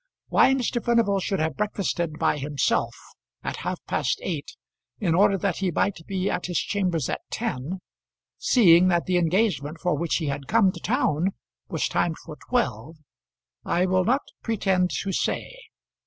Why Mr. Furnival should have breakfasted by himself at half past eight in order that he might be at his chambers at ten, seeing that the engagement for which he had come to town was timed for twelve, I will not pretend to say.